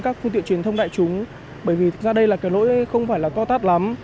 các phương tiện truyền thông đại chúng bởi vì thực ra đây là cái lỗi không phải là co tát lắm